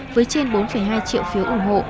với trên bốn hai triệu phiếu ủng hộ